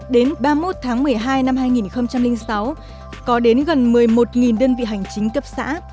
đến ba mươi một tháng một mươi hai năm hai nghìn sáu có đến gần một mươi một đơn vị hành chính cấp xã